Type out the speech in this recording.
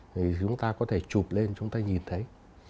thì chúng ta có thể chụp lên chúng ta nhìn thấy